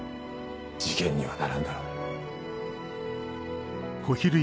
事件にはならんだろう。